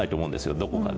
どこかで。